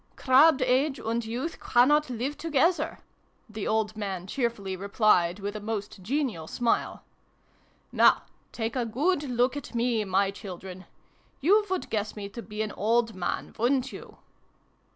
" Crabbed age and youth cannot live to gether !" the old man cheerfully replied, with a most genial smile. " Now take a good look at me, my children ! You would guess me to be an old man, wouldn't you